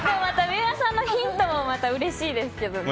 三浦さんのヒントもまたうれしいですけどね。